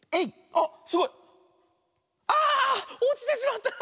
あおちてしまった！